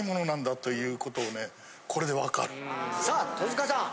さあ戸塚さん！